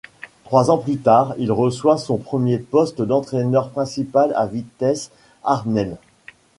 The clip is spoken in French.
Trois ans plus tard, il reçoit son premier poste d'entraîneur principale à Vitesse Arnhem.